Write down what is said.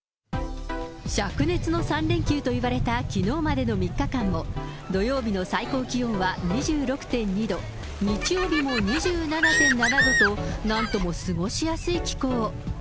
しゃく熱の３連休といわれたきのうまでの３日間も、土曜日の最高気温は２６．２度、日曜日も２７．７度となんとも過ごしやすい気候。